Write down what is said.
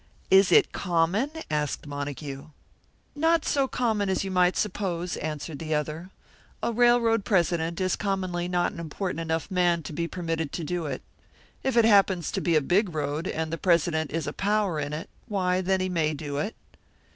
"Is it common?" asked Montague. "Not so common as you might suppose," answered the other. "A railroad president is commonly not an important enough man to be permitted to do it. If it happens to be a big road, and the president is a power in it, why, then he may do it."